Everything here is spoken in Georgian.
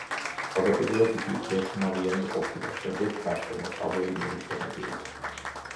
თავდაპირველად იგი ერთნავიანი ყოფილა, შემდეგ გარსშემოსავლელი მიუშენებიათ.